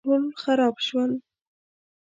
ټول خراب شول